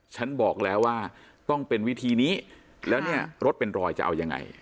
ฉันบอกแล้วว่าต้องเป็นวิธีนี้แล้วเนี่ยรถเป็นรอยจะเอายังไง